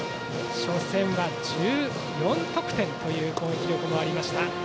初戦は１４得点という攻撃力もありました。